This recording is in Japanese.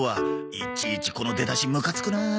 いちいちこの出だしムカつくなあ。